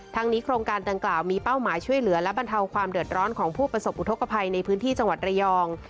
นี้โครงการดังกล่าวมีเป้าหมายช่วยเหลือและบรรเทาความเดือดร้อนของผู้ประสบอุทธกภัยในพื้นที่จังหวัดระยอง